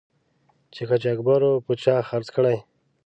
چې قاچاقبرو په چا خرڅ کړی.